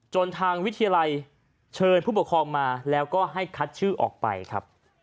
ทางวิทยาลัยเชิญผู้ปกครองมาแล้วก็ให้คัดชื่อออกไปครับ